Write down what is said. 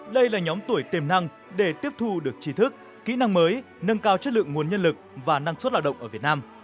đây là nhóm tuổi tiềm năng để tiếp thu được trí thức kỹ năng mới nâng cao chất lượng nguồn nhân lực và năng suất lao động ở việt nam